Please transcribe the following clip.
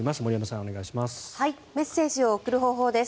お願いします。